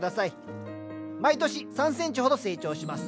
毎年３センチほど成長します。